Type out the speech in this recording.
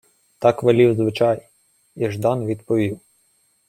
Так велів звичай, і Ждан відповів: